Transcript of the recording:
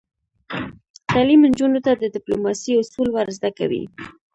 تعلیم نجونو ته د ډیپلوماسۍ اصول ور زده کوي.